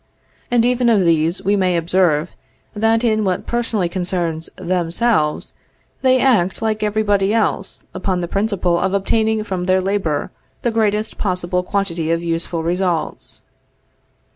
And even of these we may observe, that in what personally concerns themselves, they act, like every body else, upon the principle of obtaining from their labor the greatest possible quantity of useful results.